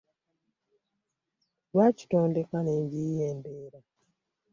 Lwaki tondeka ne njiiya embeera?